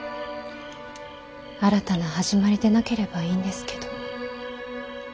新たな始まりでなければいいんですけど。